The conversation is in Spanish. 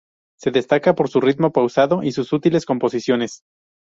Se destaca por su ritmo pausado y sus sutiles composiciones.